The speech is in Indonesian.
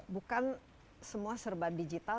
bukan semua serba digital